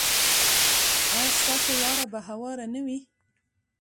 ایا ستاسو لاره به هواره نه وي؟